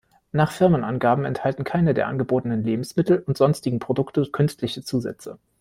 Nach Firmenangaben enthalten keine der angebotenen Lebensmittel und sonstigen Produkte künstliche Zusätze.